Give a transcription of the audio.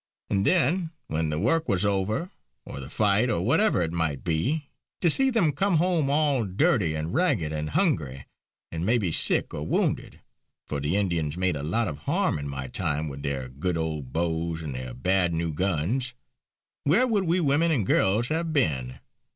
And then, when the work was over, or the fight or whatever it might be, to see them come home all dirty and ragged and hungry, and may be sick or wounded for the Indians made a lot of harm in my time with their good old bows and their bad new guns where would we women and girls have been.